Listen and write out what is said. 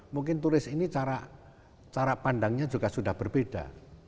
mungkin turis ini cara pandangnya juga sudah berbeda